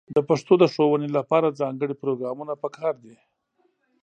د پښتو د ښوونې لپاره ځانګړې پروګرامونه په کار دي.